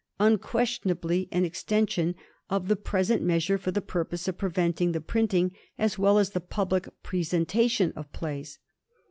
Unquestionably an extension of the present measure for the purpose of preventing the printing as well as the public representation of plays.